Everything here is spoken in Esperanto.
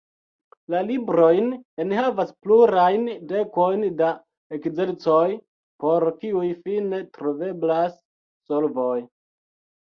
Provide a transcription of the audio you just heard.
La librojn enhavas plurajn dekojn da ekzercoj, por kiuj fine troveblas solvoj.